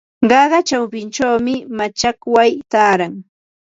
Qaqa chawpinchawmi machakway taaran.